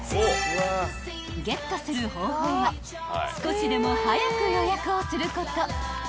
［ゲットする方法は少しでも早く予約をすること］